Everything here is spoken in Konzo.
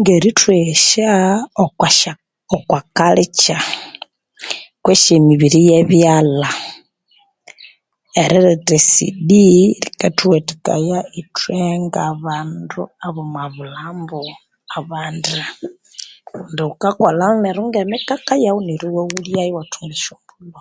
Ngerithweghesya okwashaa okwa kalikya kwesi ne'mibiri yebyalha eriletha siddiii likathuwathikaya ithwengabandu obomubulhambu kundi ghukakolha nge'mikeka yaghu iwaghulyayo iwathunga esyombulho